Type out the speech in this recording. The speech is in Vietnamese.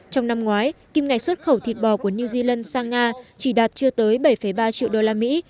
trong năm ngoái kim ngạch xuất khẩu thịt bò của new zealand sang nga chỉ đạt chưa tới bảy ba triệu đô la mỹ